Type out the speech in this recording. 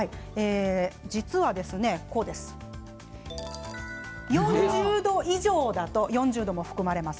実は４０度以上だと４０度も含まれます